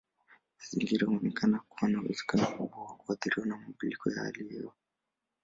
Mazingira huonekana kuwa na uwezekano mkubwa wa kuathiriwa na mabadiliko ya hali ya hewa.